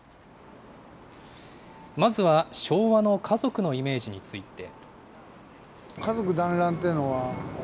まずは昭和の家族のイメージについて。